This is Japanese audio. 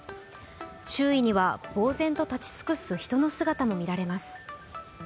周囲にはぼう然と立ち尽くす人の姿も見られます。